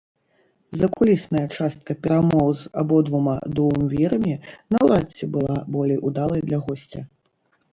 Закулісная частка перамоў з абодвума дуумвірамі наўрад ці была болей удалай для госця.